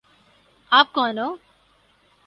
آپ کون ہو؟